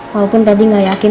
walaupun pebri gak yakin